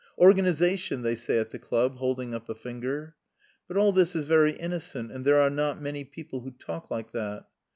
"Organisation!" they say at the club, holding up a finger. But all this is very innocent and there are not many people who talk like that.